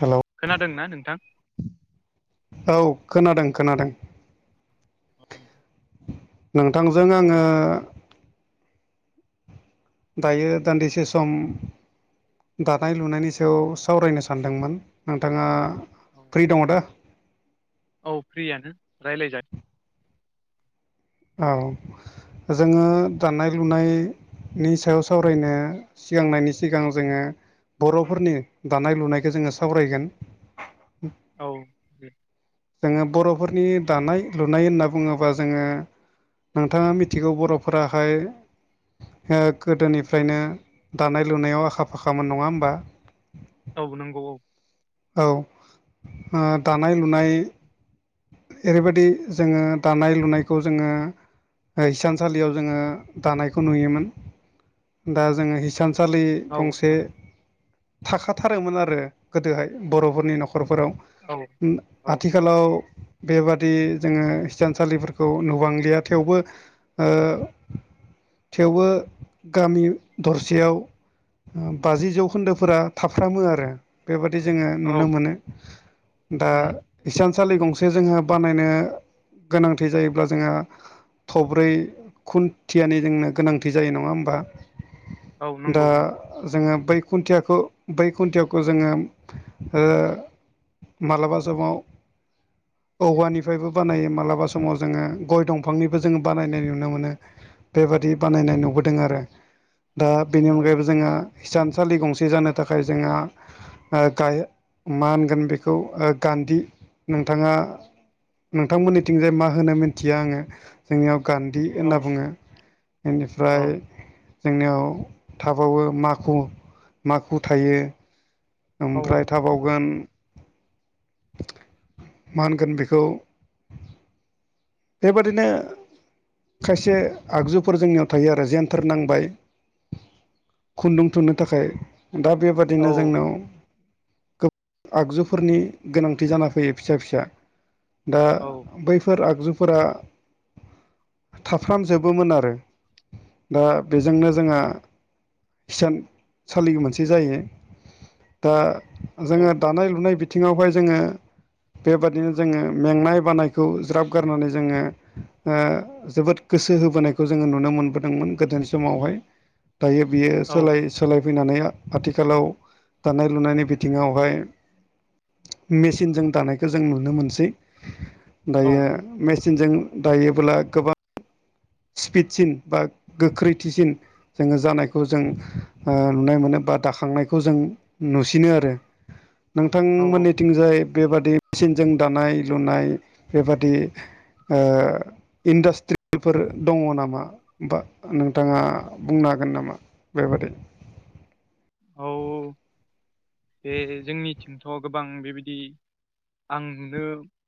Hello खोनादोंना नोंथां औ खोनादों खोनादों औ नोंथांजों आङो दायो दान्दिसे सम दानाय लुनायनि सायाव सावरायनो सानदोंमोन नोंथाङा औ फ्रि दङ दा औ फ्रियानो रायज्लायजा औ जोङो दानाय लुनाय नि सायाव सावरायनो सिगांनायनि सिगां जोङो बर'फोरनि दानाय लुनायखौ जोङो सावरायगोन औ दे जोङो बर'फोरनि दानाय लुनाय होनना बुङोब्ला जोङो नोंथाङा मिथिगौ बर'फोराहाय ओ गोदोनिफ्रायनो दानाय लुनायाव आखा फाखामोन नङा होमबा औ नांगौ औ औ ओ दानाय लुनाय ओरैबायदि जोङो दानाय लुनायखौ जोङो हिसानसालियाव जोङो दानायखौ नुयोमोन दा जोङो हिसानसा सालि औ गंसे नंगौ थाखाथारोमोन आरो गोदोहाय बर'फोरनि न'खरफोराव औ औ आथिखाल आथिखालाव बेबादि जोङो हिसानसालिफोरखौ नुबांलिया थेवबो ओ थेवबो गामि दरसेयाव बाजि जौखोन्दोफोरा थाफ्रामो आरो बेबादि जोङो नुनो औ मोनो दा उम इसानसालि गंसे फारसे जोङो बानायनो गोनांथि जायोब्ला जोंहा थब्रै खुन्थियानि जोंनो गोनांथि जायो नङा होमबा औ दा नंगौ औ जोङो बै खुन्थियाखौ बै खुन्थियाखौ जोङो ओ माब्लाबा समाव औवानिफ्रायबो बानायो मालाबा समाव जोङो गय दंफांनिबो जोङो बानायनाय नुनो मोनो बेबादि बानायनाय नुबोदों आरो दा बेनि औ अनगायैबो जोंहा इसानसालि गंसे जानो थाखाय जोंहा ओ गाइ मा होनगोन बेखौ गान्दि नोंथाङा नोंथांमोननिथिंजाय मा होनो मिथिया आङो जोंनियाव गान्दि औ होनना बुङो एनिफ्राय जोंनियाव थाबावो माखु माखु थायो औ ओमफ्राय थाबावगोन मा होनगोन बेखौ बेबादिनो खायसे आगजुफोर जोंनियाव थायो आरो जेनथोर नांबाय खुन्दुं थुनो थाखाय दा औ बेबादिनो जोंनाव गोब आगजुफोरनि गोनांथि जाना फैयो फिसा फिसा दा औ बैफोर आगजुफोरा थाफ्रामजोबोमोन आरो दा बेजोंनो जोंहा हिसान सालि मोनसे जायो दा जोङो दानाय लुनाय बिथिङावहाय जोङो बेबादिनो जोङो मेंनाय बानायखौ ज्राब गारनानै जोङो ओ जोबोद गोसो होबोनायखौ जोङो नुनो मोनबोदोंमोन गोदोनि समावहाय दायो बियो सोलाय सोलायफैनानै आथिखालाव दानाय लुनायनि बिथिङावहाय मेचिनजों दानायखो जों नुनो मोनसै औ दायो मेचिनजों दायोबोला गोबां स्पिडसिन बा गोख्रैथिसिन जोङो जानायखौ जों नुनाय मोनो बा दाखांनायखौ जों नुसिनो आरो औ नोंथांमोननिथिंजाय बेबादि मेचिनजों दानाय लुनाय बेबादि ओ इन्डासट्रि फोर दङ नामा बा नोंथाङा बुंनो हागोन नामा बेबादि औ बे जोंनिथिंथ' गोबां बेबायदि आं नुनो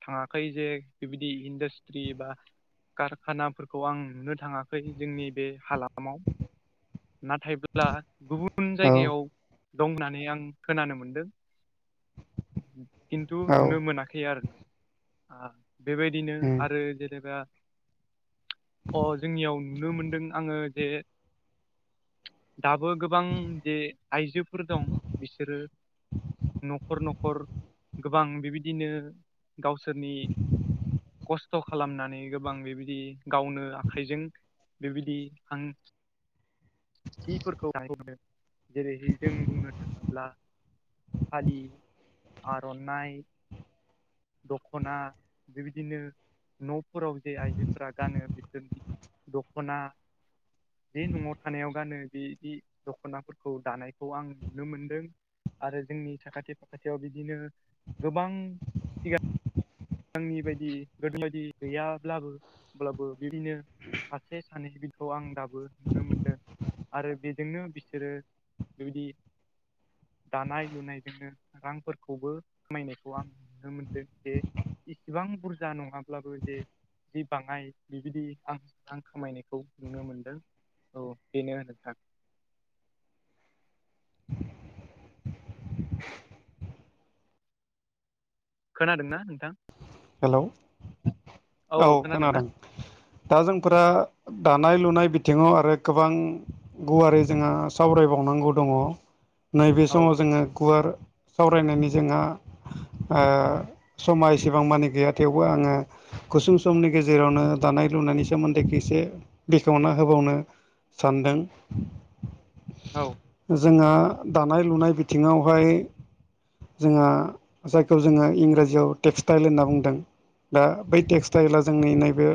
थाङाखै जे बेबायदि इन्डास्ट्रि बा कारखानाफोरखौ आं नुनो थाङाखै जोंनि बे हालामाव नाथायब्ला गुबुन औ जायगायाव दं होननानै आं खोनानो मोनदों खिन्थु औ नुनो मोनाखै आरो ना आ बेबायदिनो उम आरो जेनेबा अ जोंनियाव नुनो मोनदों आङो जे दाबो गोबां जे आइजोफोर दं बिसोरो न'खर न'खर गोबां बेबायदिनो गावसोरनि खस खस्थ' खालामनानै गोबां बेबादि गावनो आखाइजों बेबायदि आं जिफोरखौ [unintelligible] जेरैहाय जों बुंनो थाङोब्ला फालि आर'नाइ दख'ना बेबायदिनो न'फोराव जे आइजोफोरा गानो बिसोरनि दख'ना बे न'आव थानायाव गानो बिदि दख'नाफोरखौ दानायखौ आं नुनो मोनदों आरो जोंनि साखाथि फाखाथियाव बिदिनो गोबां सिगां आंनि बायदि गोदो बायदि गैयाब्लाबो होमब्लाबो बिदिनो सासे सानैसोखौ आं दाबो नुनो मोनदों आरो बेजोंनो बिसोरो बेबायदि दानाय लुनायजोंनो रांफोरखौबो खामायनायखौ आं नुनो मोनदों जे इसिबां बुरजा नङाब्लाबो जे जि बाङाय बिबायदि आं रां खामायनायखौ नुनो मोनदों औ बेनो नोंथां खोनादों ना नोंथां हेलौ औ खोनादों। दा जोंफोरा दानाय लुनाय बिथिङाव आरो गोबां गुवारै जोंहा सावरायबावनांगौ दङ नैबे औ समाव जोङो गुवार सावरायनायनि जोंहा ओ समा एसेबां मानि गैया थेवबो आङो गुसुं समनि गेजेरावनो दानाय लुनायनि सोमोन्दैखौ एसे बेखेवना होबावनो सानदों औ जोंहा दानाय लुनाय बिथिङावहाय जोंहा जायखौ जोङो इंराजियाव टेक्सटाइल होनना बुं दों दा बै टेक्सटाइला जोंनि औ नैबे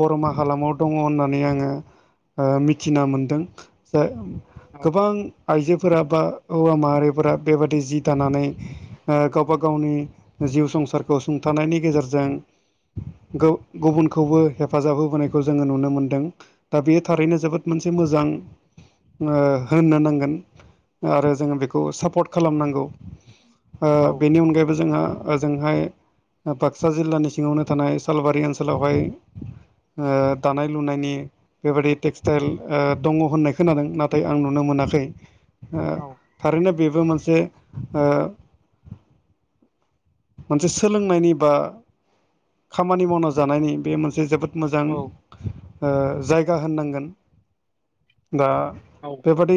बर'मा हालामाव दङ होननानै आङो ओ मिथिना मोनदों औ गोबां आइजोफोरा बा हौवा माहारिफोरा बेबादि जि दानानै ओ गावबा गावनि जिउ संसारखौ सुंथानायनि गेजेरजों गौ गुबुनखौबो हेफाजाब होबोनायखौ जोङो नुनो मोनदों दा बेयो औ थारैनो जोबोद मोनसे मोजां ओ होननो नांगोन आरो जोङो बेखौ सापर्ट खालामनांगौ ओ बेनि अनगायैबो जोंहा ओजोंहाय बाक्सा जिल्लानि सिङावनो थानाय सालबारि ओनसोलावहाय ओ दानाय लुनायनि बेबायदि टेक्सटाइल ओ दङ होननाय खोनादों नाथाय आं नुनो मोनाखै ओ औ थारैनो बेबो मोनसे ओ मोनसे सोलोंनायनि बा खामानि मावना जानायनि बे मोनसे जोबोद मोजां औ ओ जायगा होननांगोन दा औ बेबादि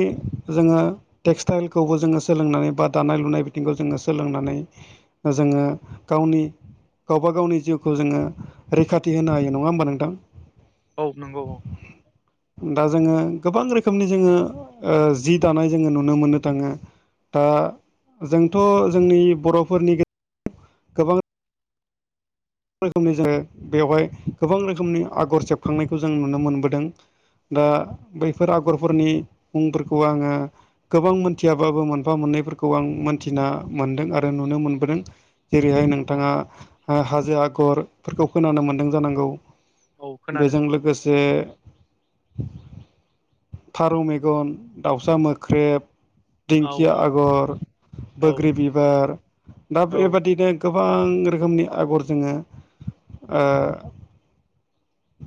जोङो टेक्सटाइलखौबो जोङो सोलोंनानै बा दानाय लुनाय बिथिंखौ जोङो सोलोंनानै जोङो गावनि गावबा गावनि जिउखौ जोङो रैखाथि होनो हायो नङा होमबा नोंथां? औ नंगौ औ उ [inaudible] दा जोङो गोबां रोखोमनि जोङो ओ जि दानाय जोङो नुनो मोननो थाङो दा जोंथ' जोंनि बर'फोरनि गेजेराव गोबां गोबां रोखोमनि जोङो बेवहाय गोबां रोखोमनि आगर सेबखांनायखौ जों नुनो मोनबोदों दा बैफोर आगरफोरनि मुंफोरखौ आङो गोबां मोनथियाबाबो मोनफा मोननैफोरखौ आं मोनथिना मोनदों आरो नुनो मोनबोदों जेरैहाय औ नोंथाङा ओ हाजो आगरफोरखौ खोनानो मोन्दों जानांगौ औ खोनादों बेजों लोगोसे फारौ मेगन, दाउसा मोख्रेब औ दिंखिया आगर, औ बोग्रि बिबार दा औ बेबादिनो गोबां रोखोमनि आगर जोङो ओ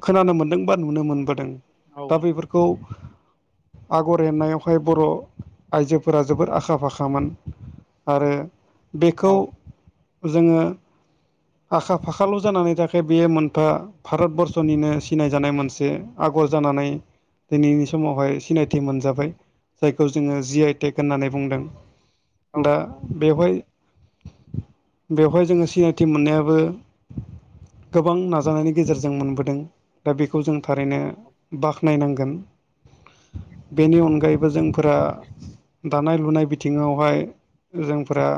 खोनानो मोनदों बा नुनो मोनबोदों औ दा बेफोर खौ आगर एरनायावहाय बर' आइजोफोरा जोबोर आखा फाखामोन आरो औ बेखौ जोङो आखा फाखाल' जानानै थायाखै बेयो मोनफा भारतबर्सनिनो सिनायजानाय मोनसे आगर जानानै दिनैनि समावहाय सिनायथि मोनजाबाय जायखौ जोङो जि आइ टेक होननानै बुंदों औ दा बेवहाय बेवहाय जोङो सिनाय थि मोननायाबो गोबां नाजानायनि गेजेरजों मोनबोदों दा बेखौ जों थारैनो बाख्नायनांगोन। बेनि अनगायैबो जोंफोरा दानाय लुनाय बिथिङावहाय जोंफोरा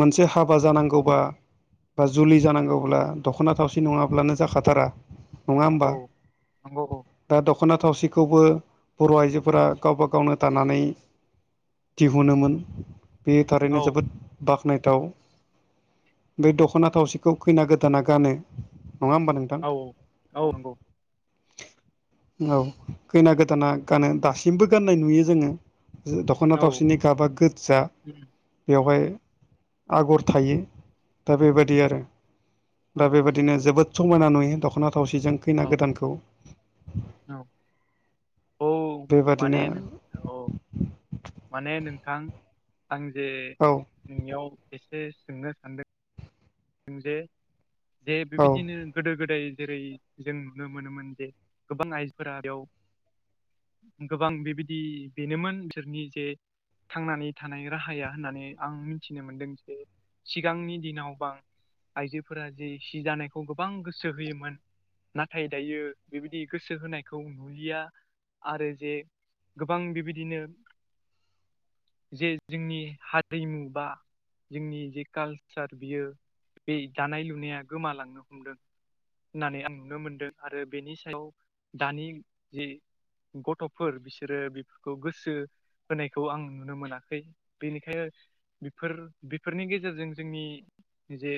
मोनसे हाबा जानांगौ बा जुलि जानांगौब्ला दख'ना थावसि नङाब्लानो जाखाथारा नङा होमबा नंगौ दा दख'ना थावसिखौबो बर' आइजोफोरा गावबा गावनो थानानै दिहुनोमोन बे औ थारैनो जोबोद बाख्नायथाव बे दख'ना थावसिखौ खैना गोदाना गानो नङा होमबा नोंथां औ औ नंगौ औ खैना गोदाना गानो दासिमबो गाननाय नुयो जोङो दख'ना औ थावसिनि गाबा गोजजा बेवहाय आगर थायो दा बेबायदि आरो दा औ बेबायाददिनो जोबोद समायना नुयो दख'ना थावसिजों खैना औ गोदानखौ औ औ बेबादिनो माने नों औ माने नोंथां आं जे औ नोंनियाव एसे सोंनो सानदों दों जे जे औ बेबायदिनो गोदो गोदाय जेरै जों नुनो मोनोमोन जे गोबां आइजोफोरा बेयाव गोबां बेबायदि बेनोमोन बिसोरनि जे थांनानै थानाय राहाया होननानै आं मिथिनो मोनदों जे सिगांनि दिनाव बां आइजोफोरा जि सि जानायखौ गोबां गोसो होयोमोन। नाथाय दायो बेबायदि गोसो होनायखौ नुलिया। आरो जे गोबां बेबायदिनो जे जोंनि हारिमु बा जोंनि जे कालसार बियो बे दानाय लुनाया गोमालांनो हमदों। होननानै आं नुनो मोनदों आरो बेनि सायाव दानि जि गथ'फोर बिसोरो बेफोरखौ गोसो होनायखौ आं नुनो मोनाखै बेनिखायनो बेफोर बेफोरनि गेजेरजों जोंनि जे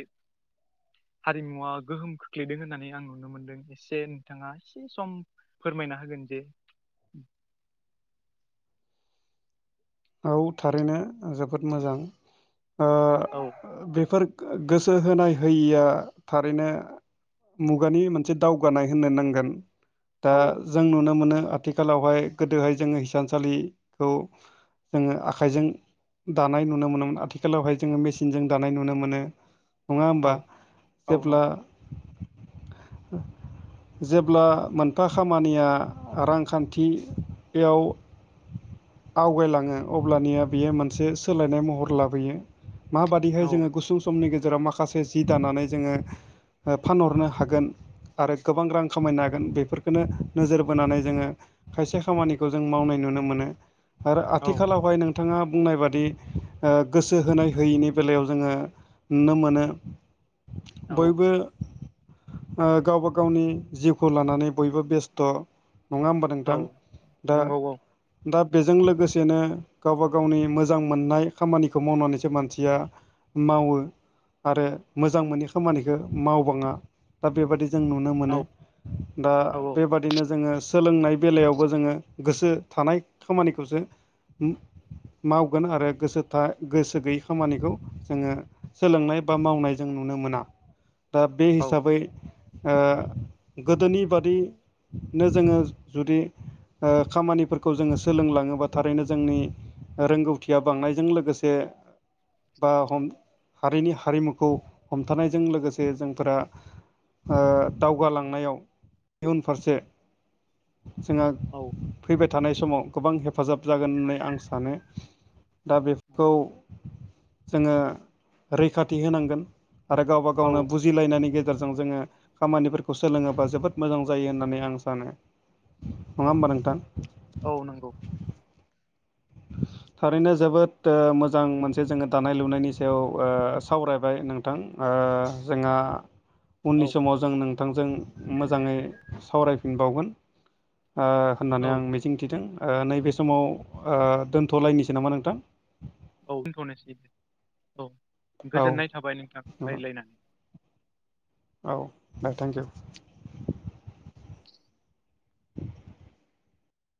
हारिमुवा गोहोम खोख्लैदों होननानै आं नुनो मोनदों एसे नोंथाङा एसे सम फोरमायना होगोन जे आ थारैनो जोबोद मोजां ओ औ बेफोर गोसो होनाय होयिया थारैनो मुगानि मोनसे दावगानाय होननो नांगोन। दा औ जों नुनो मोनो आथिखालावहाय गोदोहाय जोङो हिसानसालिखौ जोङो आखाइजों दानाय नुनो मोनोमोन आथिखालावहाय जोङो मेसिनजों दानाय नुनो मोनो। नङा औ होमबा औ जेब्ला नंगौ जेब्ला मोनफा खामानिया रांखान्थियाव आवगायलाङो अब्लानिया बेयो मोनसे सोलायनाय महर लाबोयो मा बायदिहाय जोङो गुसुं समनि गेजेराव माखासे जि दानानै जोङो फानहरनो हागोन? आरो गोबां रां खामायनो हागोन बेफोरखौनो नोजोर बोनानै जोङो खायसे खामानिखौ जों मावनाय नुनो मोनो आरो औ आथिखालावहाय नों थाङा बुंनाय बादि ओ गोसो होनाय होयिनि बेलायाव जोङो नुनो मोनो औ बयबो गावबा गावनि जिउखौ लानानै बयबो बेस्थ' नङा होमबा औ नोंथां दा नंगौ दा बेजों लोगोसे सेनो गावबा गावनि मोजां मोननाय खामानिखौ मावनानैसो मानसिया मावो आरो मोजां मोनै खामानिखौ मावबाङा दा बेबादि जों नुनो औ मोनो दा औ बेबादिनो जोङो सोलोंनाय बेलायावबो जोङो गोसो थानाय खामानिखौसो मावगोन आरो गोसो था गोसो गैयै खामानिखौ जोङो सोलोंनाय बा मावनाय जों नुनो मोना दा बे औ हिसाबै गोदोनि बादिनो जोङो जुदि खामानिफोरखौ जोङो सोलोंलाङोबा थारैनो जोंनि रोंगौथिया बांनायजों लोगोसे बा हम हारिनि हारिमुखौ हमथानायजों लोगोसे जोंफोरा दावगालांनायाव इउन फारसे जोंहा औ फैबाय थानाय समाव गोबां हेफाजाब जागोन होननानै आं सानो दा औ बेफोरखौ जोङो रैखाथि होनांगोन आरो गावबा औ गावनो बुज बुजिलायनायनि गेजेरजों जोङो खामानिफोरखौ सोलोङोबा जोबोद मोजां जायो होननानै आं सानो। नङा औ होमबा नोंथां? औ नंगौ थारैनो जोबोद मोजां मोनसे जोङो दानाय लुनायनि सायाव ओ सावरायबाय नों थां ओ जोंहा उननि औ समाव जों नोंथांजों मोजाङै सावरायफिनबावगोन। ओ होननानै औ आं मिजिंथिदों ओ नैबे समाव ओ दोनथ'लायनोसो नामा नोंथां? औ दोनथ'नोसै औ औ गोजोननाय थाबाय नोंथां रायलायनानै। औ दे थेंक इउ। [inaudible]